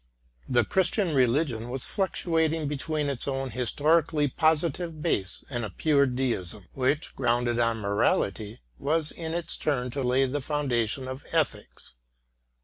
The Christian religion was fluctuating between its own his torically positive base and a pure deism, which, grounded on morality, was in its turn to lay the foundation of ethics.